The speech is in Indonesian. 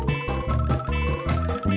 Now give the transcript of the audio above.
ada apa di lawan